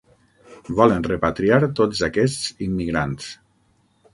Volen repatriar tots aquests immigrants.